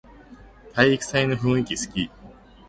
体育祭の雰囲気すき